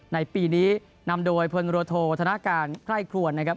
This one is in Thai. ในปีนี้นำโดยพลโรโทษธนาการไคร่ครวนนะครับ